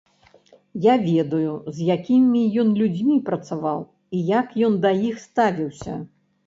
Я ведаю з якімі ён людзьмі працаваў і як ён да іх ставіўся.